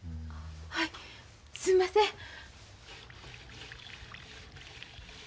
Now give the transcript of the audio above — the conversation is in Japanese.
はいすんません。